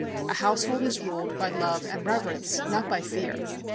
A household is ruled by love and reverence, not by fear.